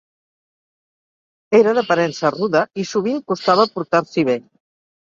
Era d'aparença ruda i sovint costava portar-s'hi bé.